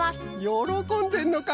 よろこんでるのか。